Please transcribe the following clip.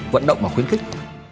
vẫn động và khuyến khích